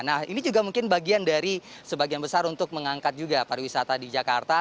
nah ini juga mungkin bagian dari sebagian besar untuk mengangkat juga pariwisata di jakarta